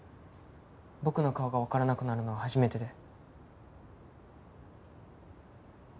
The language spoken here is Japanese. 僕の顔がわからなくなるのは初めてで。